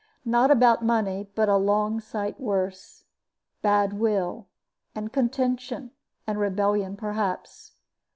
Not about money, but a long sight worse; bad will, and contention, and rebellion, perhaps.